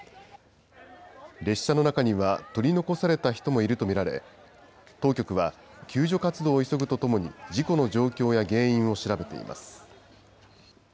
列車の中には取り残された人もいると見られ、当局は、救助活動を急ぐとともに、事故の状況や原因を調べています。